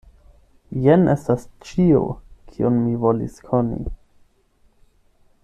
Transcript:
Jen estas ĉio, kion mi volis koni.